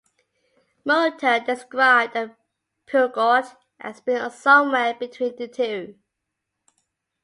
"Motor" described the Peugeot as being somewhere between the two.